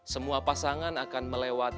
ketua orang lain berada dalam alamat